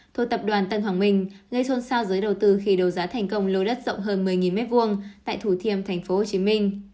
thuộc tập đoàn tân hoàng minh gây xôn xao giới đầu tư khi đấu giá thành công lô đất rộng hơn một mươi m hai tại thủ thiêm tp hcm